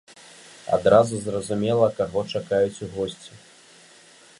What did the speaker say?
Адразу зразумела, каго чакаюць у госці.